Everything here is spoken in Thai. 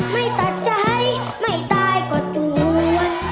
ไม่ตัดใจไม่ตายก็ตรวจ